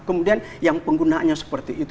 kemudian yang penggunaannya seperti itu